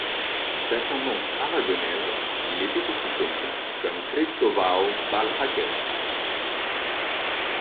D'ascendance aragonaise, il était aussi connu comme Cristóvão Valjaques.